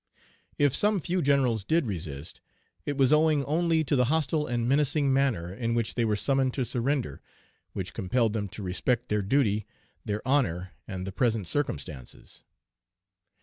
If some few generals did resist, it was owing only to the hostile and menacing manner in which they were summoned to surrender, which compelled them to respect their duty, their honor, and the present circumstances.